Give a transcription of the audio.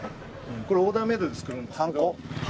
これオーダーメイドで作るんですけど。